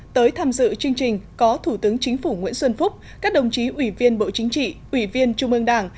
tới tham dự chương trình có thủ tướng chính phủ nguyễn xuân phúc các đồng chí ủy viên bộ chính trị ủy viên trung ương đảng